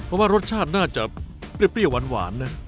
เพราะว่ารสชาติน่าจะเปรี้ยวหวานนะ